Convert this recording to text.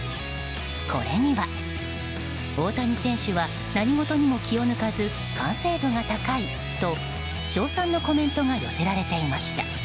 これには、大谷選手は何事にも気を抜かず完成度が高いと賞賛のコメントが寄せられていました。